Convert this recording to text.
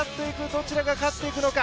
どちらが勝っていくのか？